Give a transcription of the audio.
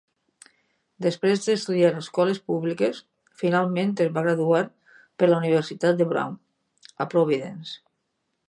Després d'estudiar a escoles públiques, finalment es va graduar per la Universitat de Brown, a Providence.